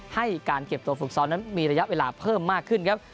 ให้การเก็บตัวฝุกศร้อนมีระยะเวลาเพิ่มมากขึ้น